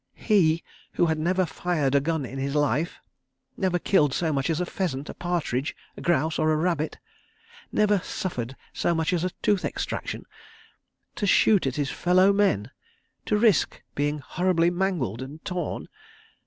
He, who had never fired a gun in his life; never killed so much as a pheasant, a partridge, a grouse or a rabbit; never suffered so much as a tooth extraction—to shoot at his fellow men, to risk being horribly mangled and torn!